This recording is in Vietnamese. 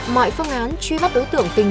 mọi phương án truy bắt đối tượng tình